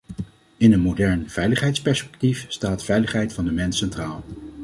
In een modern veiligheidsperspectief staat de veiligheid van de mens centraal.